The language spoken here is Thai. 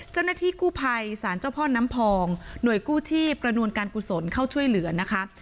เจ้าหน้าที่กู้ภัยสารเจ้าพ่อน้ำพองหน่วยกู้ชีพประนวลการกุศลเข้าช่วยเหลือนะคะ